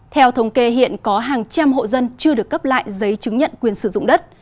theo thống kê hiện có hàng trăm hộ dân chưa được cấp lại giấy chứng nhận quyền sử dụng đất